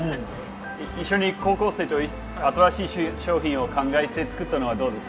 一緒に高校生と新しい商品を考えて作ったのはどうですか？